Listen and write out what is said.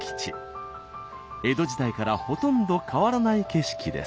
江戸時代からほとんど変わらない景色です。